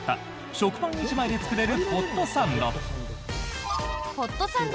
食パン１枚で作れるホットサンド。